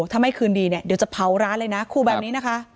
ถ้าไม่คืนดีเนี่ยเดี๋ยวจะเผาร้านเลยนะครูแบบนี้นะคะ